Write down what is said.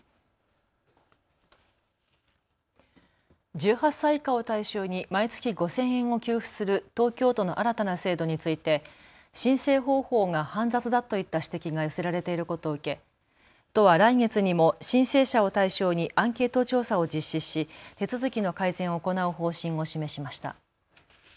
１８歳以下を対象に毎月５０００円を給付する東京都の新たな制度について申請方法が煩雑だといった指摘が寄せられていることを受け都は来月にも申請者を対象にアンケート調査を実施し手続きの改善を行う方針を示しました。